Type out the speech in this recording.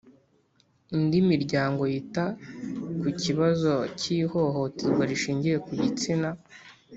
indi miryango yita ku kibazo cy ihohoterwa rishingiye ku gitsina